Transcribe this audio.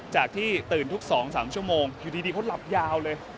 จากที่ตื่นทุก๒๓ชั่วโมงอยู่ดีเขาหลับยาวเลย